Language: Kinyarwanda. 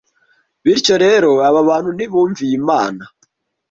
Bityo rero aba bantu ntibumviye Imana